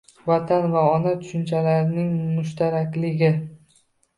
«Vatan» va «ona» tushunchalarining mushtarakligi